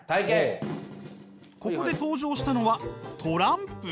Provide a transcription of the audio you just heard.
ここで登場したのはトランプ。